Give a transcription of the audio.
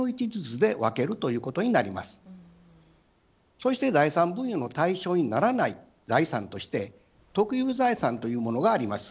そして財産分与の対象にならない財産として「特有財産」というものがあります。